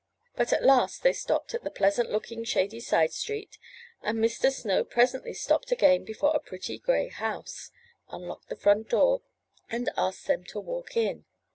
But at last they stopped at the pleasantest looking shady side street, and Mr. Snow presently stopped again before a pretty gray house, unlocked the front door, and asked them to walk in.